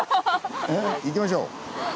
いきましょう！